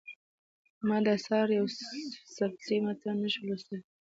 ما د سحر یوسفزي متن نه شو لوستلی.